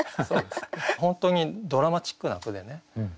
本当にドラマチックな句でね